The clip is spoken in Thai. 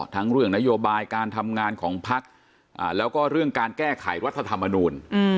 ทั้งเรื่องนโยบายการทำงานของพักแล้วก็เรื่องการแก้ไขรัฐธรรมนูล